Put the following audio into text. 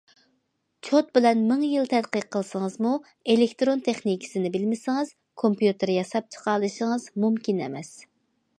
چوت بىلەن مىڭ يىل تەتقىق قىلسىڭىزمۇ، ئېلېكتىرون تېخنىكىسى بىلمىسىڭىز، كومپيۇتېر ياساپ چىقالىشىڭىز مۇمكىن ئەمەس.